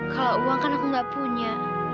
kalau uang kan aku nggak punya